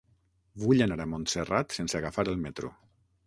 Vull anar a Montserrat sense agafar el metro.